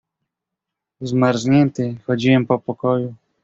"Zmarznięty chodziłem po pokoju."